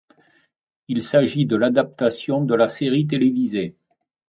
Il s'agit de l'adaptation de la série télévisée.